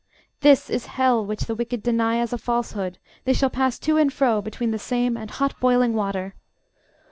This is hell which the wicked deny as a falsehood: they shall pass to and fro between the same and hot boiling water.